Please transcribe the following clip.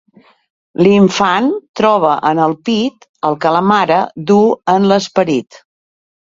L'infant troba en el pit el que la mare duu en l'esperit.